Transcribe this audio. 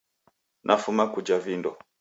Nafuma kuja vindo